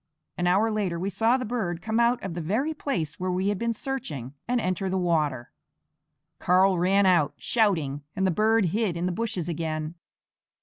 An hour later we saw the bird come out of the very place where we had been searching, and enter the water. Karl ran out, shouting, and the bird hid in the bushes again.